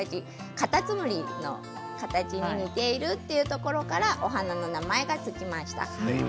かたつむりの形に似ているというところからお花の名前が付きました。